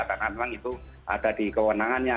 karena memang itu ada di kewenangannya